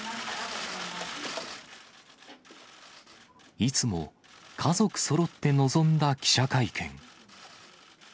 いつも家族そろって臨んだ記者会見。